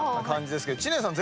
知念さん